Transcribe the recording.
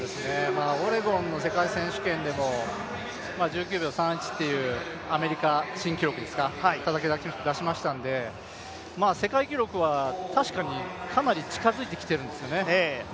オレゴンの世界選手権でも１９秒３１というアメリカ新記録たたき出したので、世界記録は確かにかなり近づいてきているんですよね。